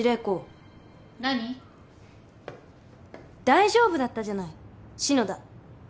大丈夫だったじゃない篠田。